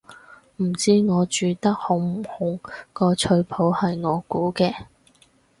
唔知我煮得好唔好，個菜譜係我估嘅